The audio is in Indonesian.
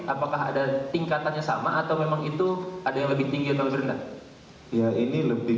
apakah ada tingkatannya sama atau memang itu ada yang lebih tinggi atau lebih rendah ya ini lebih